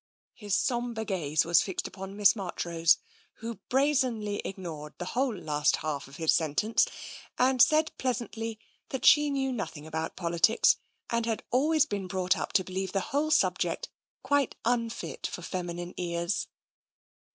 ..." His sombre gaze was fixed upon Miss Marchrose, who brazenly ignored the whole of the last half of his sentence, and said pleasantly that she knew nothing about politics and had always been brought up to be lieve the whole subject quite unfit for feminine ears.